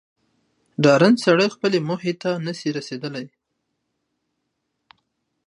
ډارن سړی خپلي موخي ته نه سي رسېدلاي